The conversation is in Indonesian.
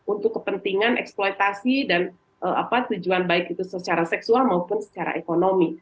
untuk kepentingan eksploitasi dan tujuan baik itu secara seksual maupun secara ekonomi